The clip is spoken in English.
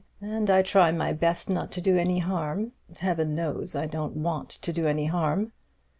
And I try my best not to do any harm Heaven knows I don't want to do any harm."